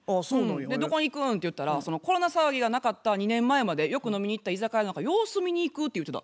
「どこ行くん？」って言ったらコロナ騒ぎがなかった２年前までよく飲みに行った居酒屋の様子を見に行くって言ってた。